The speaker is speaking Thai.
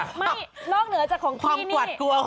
ไม่นอกเหนือจากของที่นี่